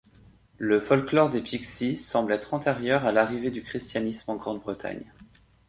Le folklore des pixies semble être antérieur à l'arrivée du christianisme en Grande-Bretagne.